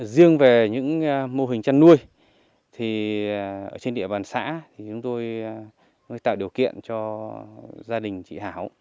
riêng về những mô hình chăn nuôi thì ở trên địa bàn xã chúng tôi tạo điều kiện cho gia đình chị hảo